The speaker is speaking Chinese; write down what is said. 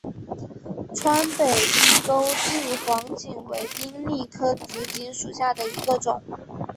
川北钩距黄堇为罂粟科紫堇属下的一个种。